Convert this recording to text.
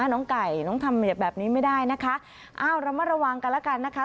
น้องไก่น้องทำแบบนี้ไม่ได้นะคะอ้าวระมัดระวังกันแล้วกันนะคะ